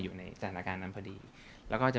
อยู่ในสถานการณ์นั้นพอดีแล้วก็จะ